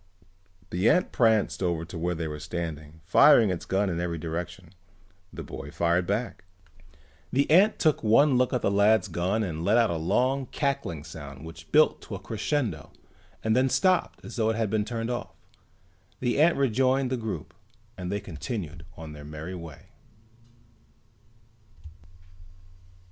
The ant pranced over to where they were standing, firing its gun in every direction. The boy fired back. The ant took one look at the lad's gun and let out a long cackling sound which built to a crescendo and then stopped as though it had been turned off. The ant rejoined the group and they continued on their merry way.